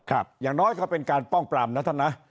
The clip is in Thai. อย่างน้อยก็เป็นการป้องปรามนะท่านนะ